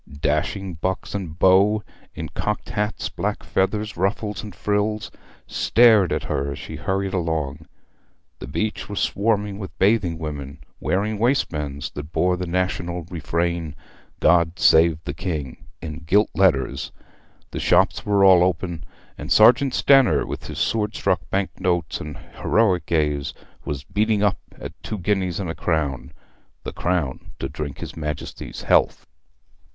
Dashing bucks and beaux in cocked hats, black feathers, ruffles, and frills, stared at her as she hurried along; the beach was swarming with bathing women, wearing waistbands that bore the national refrain, 'God save the King,' in gilt letters; the shops were all open, and Sergeant Stanner, with his sword stuck bank notes and heroic gaze, was beating up at two guineas and a crown, the crown to drink his Majesty's health.